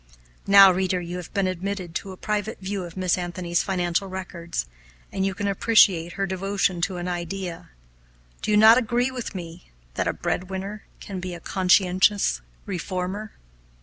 Now, reader, you have been admitted to a private view of Miss Anthony's financial records, and you can appreciate her devotion to an idea. Do you not agree with me that a "bread winner" can be a conscientious reformer?